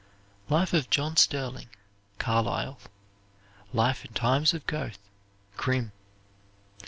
"Life of John Sterling," Carlyle. "Life and Times of Goethe," Grimm.